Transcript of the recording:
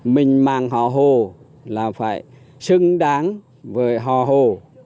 mình mang họ hồ là phải xứng đáng với họ hồ